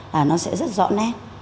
là nó sẽ rất rõ nét